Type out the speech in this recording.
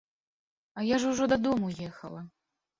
А я ж ужо дадому ехала.